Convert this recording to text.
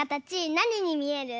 なににみえる？